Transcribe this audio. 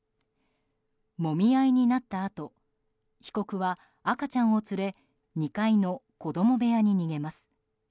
もみ合いになったあと被告は赤ちゃんを連れ２階の子供部屋に逃げます。